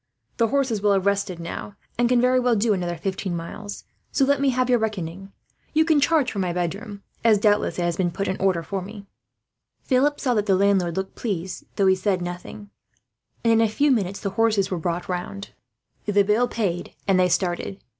The horses will have rested now, and can very well do another fifteen miles; so let me have your reckoning. You can charge for my bedroom as, doubtless, it has been put in order for me." Philip saw that the landlord looked pleased, though he said nothing; and in a few minutes the horses were brought round, the bill paid, and they started.